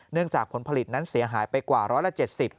เนื่องจากผลผลิตนั้นเสียหายไปกว่า๑๗๐บาท